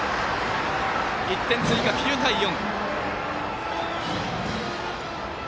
１点追加、９対４。